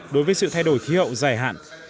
đối với sự thay đổi khí hậu dài hạn